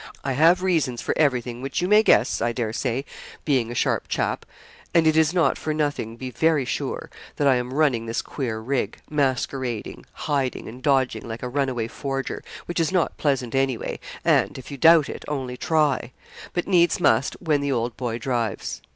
I have reasons for everything, which you may guess, I dare say, being a sharp chap; and it is not for nothing, be very sure, that I am running this queer rig, masquerading, hiding, and dodging, like a runaway forger, which is not pleasant anyway, and if you doubt it, only try; but needs must when the old boy drives.